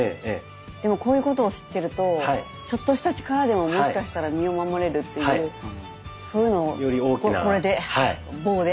でもこういうことを知ってるとちょっとした力でももしかしたら身を守れるっていうそういうのをこれで棒で。